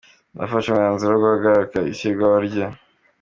Nafashe umwanzuro wo guhagarika ishyirwaho rye.